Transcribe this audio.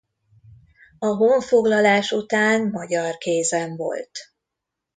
A honfoglalás után magyar kézen volt.